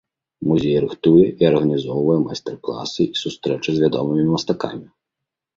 Музей рыхтуе і арганізоўвае майстар-класы і сустрэчы з вядомымі мастакамі.